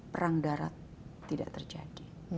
perang darat tidak terjadi